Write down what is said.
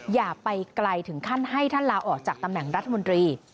อย่าไปไกลถึงขั้นให้ท่านลาออกจากตำแหน่งรัฐมนตรี